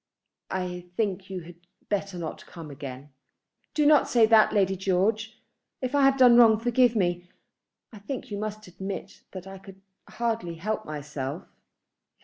"I think you had better not come again." "Do not say that, Lady George. If I have done wrong, forgive me. I think you must admit that I could hardly help myself."